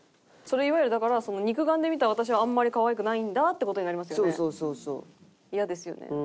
いわゆるだから肉眼で見た私はあんまり可愛くないんだって事になりますよね？